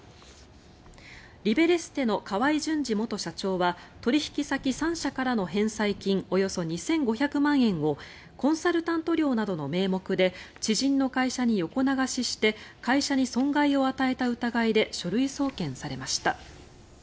リベレステの河合純二元社長は取引先３社からの返済金およそ２５００万円をコンサルタント料などの名目で知人の会社に横流しして会社に損害を与えた疑いで書類送検されました。